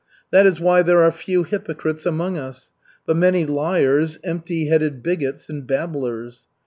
That is why there are few hypocrites among us, but many liars, empty headed bigots, and babblers.